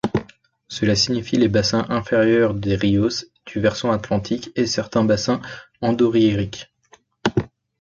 Cela signifie les bassins inférieurs des Ríos du versant atlantique et certains bassins endoréiques.